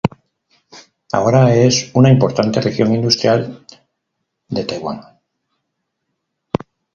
Ahora es una importante región industrial de Taiwán.